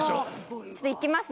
ちょっといきますね